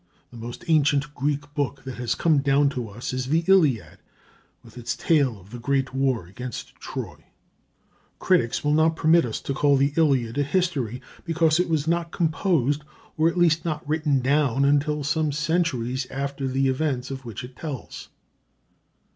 The most ancient Greek book that has come down to us is the Iliad, with its tale of the great war against Troy. Critics will not permit us to call the Iliad a history, because it was not composed, or at least not written down, until some centuries after the events of which it tells.